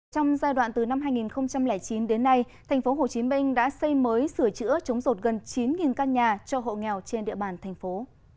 trong giai đoạn từ năm hai nghìn chín đến nay tp hcm đã xây mới sửa chữa chống rột gần chín căn nhà cho hộ nghèo trên địa bàn thành phố